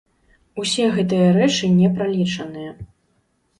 Усе гэтыя рэчы не пралічаныя.